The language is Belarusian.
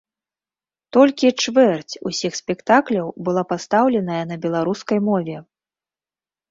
Толькі чвэрць усіх спектакляў была пастаўленая на беларускай мове.